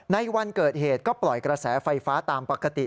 ในวันเกิดเหตุก็ปล่อยกระแสไฟฟ้าตามปกติ